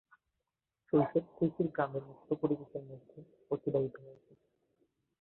শৈশব কৈশোর গ্রামের মুক্ত পরিবেশের মধ্যে অতিবাহিত হয়েছে।